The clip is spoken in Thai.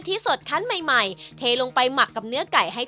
น้ำแกงจะชุ่มอยู่ในเนื้อไก่ค่ะ